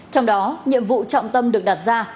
trong đó nhiệm vụ trọng tâm được đặt ra